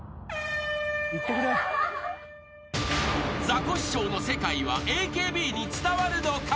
［ザコシショウの世界はＡＫＢに伝わるのか？］